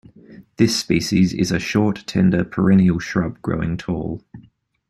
This species is a short, tender perennial shrub growing tall.